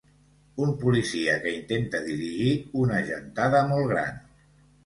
Un policia que intenta dirigir una gentada molt gran.